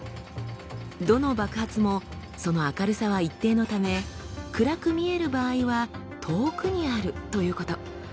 どの爆発もその明るさは一定のため暗く見える場合は遠くにあるということ。